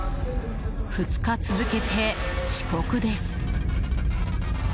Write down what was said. ２日続けて遅刻です。